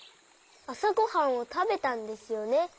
あさごはんをたべたんですよね。